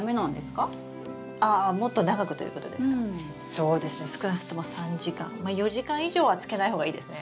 そうですね少なくとも３時間まあ４時間以上はつけない方がいいですね。